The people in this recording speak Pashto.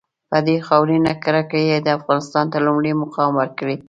په دې خاورینه کُره کې یې افغانستان ته لومړی مقام ورکړی دی.